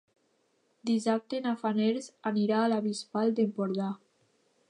Dissabte na Farners anirà a la Bisbal d'Empordà.